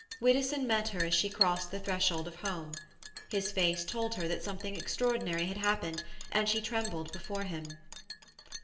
Widdowson met her as she crossed the threshold of home. His face told her that something extraordinary had happened, and she trembled before him.